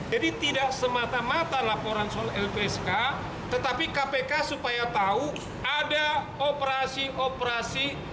jadi tidak semata mata laporan soal lpsk tetapi kpk supaya tahu ada operasi operasi